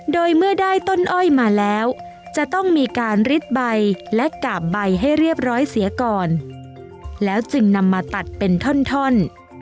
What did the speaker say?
โดยเมื่อได้ต้นอ้อยมาแล้วจะต้องมีการริดใบและกาบใบให้เรียบร้อยเสียก่อนแล้วจึงนำมาตัดเป็นท่อน